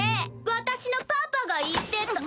私のパパが言ってた。